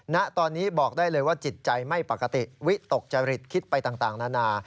ณตอนนี้บอกได้เลยว่าจิตใจไม่ปกติวิตกจริตคิดไปต่างนานา